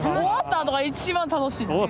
終わったあとが一番楽しい。